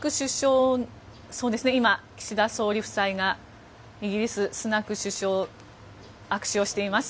今、岸田総理夫妻がイギリスのスナク首相と握手をしています。